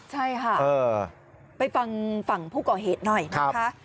ใช่ค่ะไปฟังฝั่งผู้ก่อเหตุหน่อยนะคะ